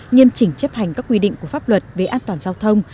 nghiêm chỉnh chấp hành các quy định của pháp luật về an toàn giao thông